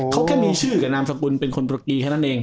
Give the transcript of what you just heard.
เขาแค่มีชื่อกับนามสกุลเป็นคนตุรกีแค่นั้นเอง